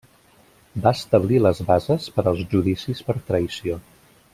Va establir les bases per als judicis per traïció.